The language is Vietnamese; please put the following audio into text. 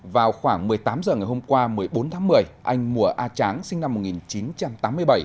vào khoảng một mươi tám h ngày hôm qua một mươi bốn tháng một mươi anh mùa a tráng sinh năm một nghìn chín trăm tám mươi bảy